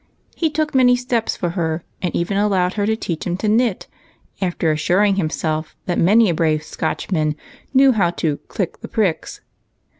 He took many steps for her, and even allowed her to teach him to knit, after assuring himself that many a brave Scotchman knew how to "cHck the pricks."